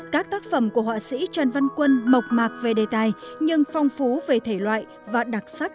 các tác phẩm của họa sĩ trần văn quân mộc mạc về đề tài nhưng phong phú về thể loại và đặc sắc